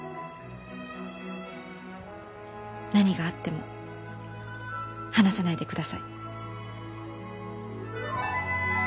何があっても離さないでください。